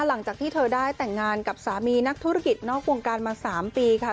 หลังจากที่เธอได้แต่งงานกับสามีนักธุรกิจนอกวงการมา๓ปีค่ะ